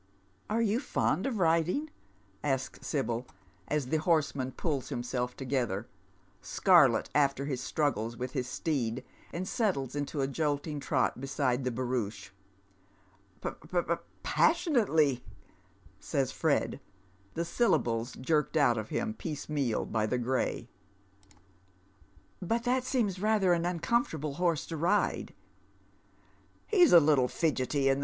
" Are you fond of riding ?" asks Sbyl, as the horseman pulls himself together, scarlet after his struggles with his steed, and bettles into a jolting trot beside the barouche. " P — p — passion — ate — ly," says Fred, the syllables jerked out of him piecemeal by the gray. " But that seems xather an uncomfortable horse to ride." " He's a httle fidgety in